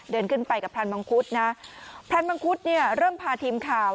เดินขึ้นไปกับพรานมังคุดนะพรานมังคุดเนี่ยเริ่มพาทีมข่าว